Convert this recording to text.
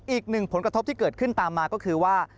อีกหนึ่งผลกระทบที่เกิดขึ้นตามมาก็คือว่า